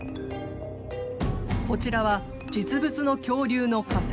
こちらは実物の恐竜の化石。